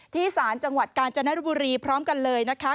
ศาลจังหวัดกาญจนบุรีพร้อมกันเลยนะคะ